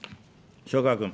塩川君。